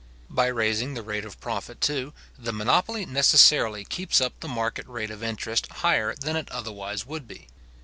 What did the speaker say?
By raising the rate of profit, too, the monopoly necessarily keeps up the market rate of interest higher than it otherwise would be.